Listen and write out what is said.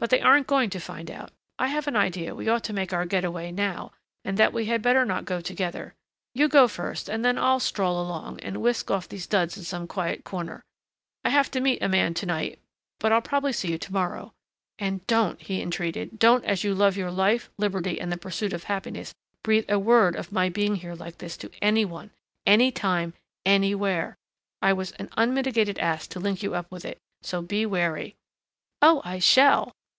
But they aren't going to find out..... I have an idea we ought to make our getaway now, and that we had better not go together. You go first and then I'll stroll along, and whisk off these duds in some quiet corner.... I have to meet a man to night, but I'll probably see you to morrow. And don't," he entreated, "don't as you love your life, liberty and the pursuit of happiness, breathe a word of my being here like this to any one any time anywhere. I was an unmitigated ass to link you up with it. So be wary." "Oh, I shall!"